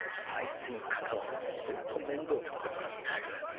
あいつにかかわるとホントめんどうなことになる。